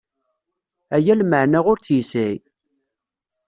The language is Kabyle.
Aya lmeɛna ur tt-yesɛi.